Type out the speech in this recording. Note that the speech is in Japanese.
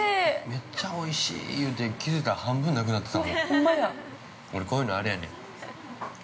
めっちゃおいしいいうて気づいたら半分なくなってた。